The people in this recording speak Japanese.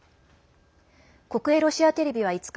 国営ロシアテレビは５日